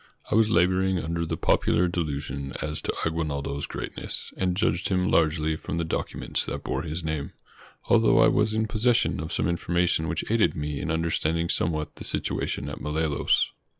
I was laboring under the popular delusion as to Aguinaldo's greatness, and judged him largely from the documents that bore his name, although I was in possession of some information which aided me in understanding somewhat the situation at Malolos.